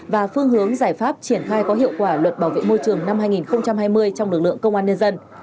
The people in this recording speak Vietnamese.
và phương hướng giải pháp triển khai có hiệu quả luật bảo vệ môi trường năm hai nghìn hai mươi trong lực lượng công an nhân dân